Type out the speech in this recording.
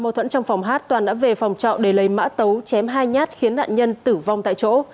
trong phòng hát toàn đã về phòng trọ để lấy mã tấu chém hai nhát khiến nạn nhân tử vong tại chỗ